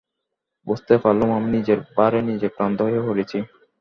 বুঝতে পারলুম, আমি নিজের ভারে নিজে ক্লান্ত হয়ে পড়েছি।